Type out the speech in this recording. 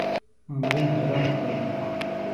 مامورین حیران کړل.